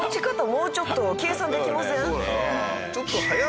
もうちょっと計算できません？